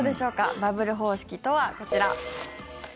バブル方式とは、こちら。